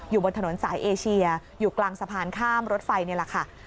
บนถนนสายเอเชียอยู่กลางสะพานข้ามรถไฟนี่แหละค่ะ